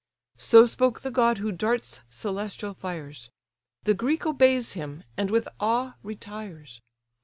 So spoke the god who darts celestial fires; The Greek obeys him, and with awe retires.